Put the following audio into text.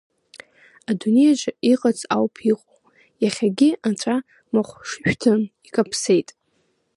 Адунеиаҿы иҟац ауп иҟоу, иахьагь аҵәа махә шәҭын, икаԥсеит.